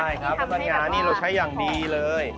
อันนี้เราใช้อย่างดีเลย